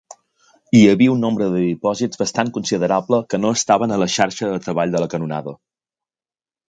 Hi havia un nombre de dipòsits bastant considerable que no estaven a la xarxa de treball de la canonada.